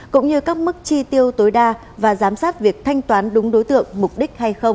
cũng như các mức chi tiêu tối đa và giám sát việc thanh toán đúng đối tượng mục đích hay không